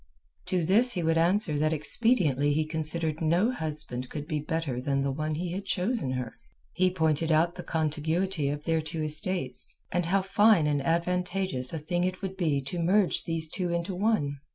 To this he would answer that expediently considered no husband could be better than the one he had chosen her. He pointed out the contiguity of their two estates, and how fine and advantageous a thing it would be to merge these two into one.